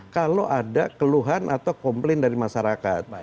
kalau ada keluhan atau komplain dari masyarakat